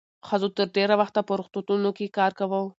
ښځو تر ډېره وخته په روغتونونو کې کار کاوه.